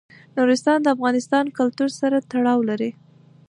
نورستان د افغان کلتور سره تړاو لري.